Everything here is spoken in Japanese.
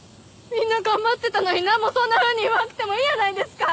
みんな頑張ってたのに何もそんなふうに言わんくてもいいやないですか！